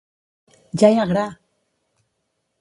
Ja hi ha gra!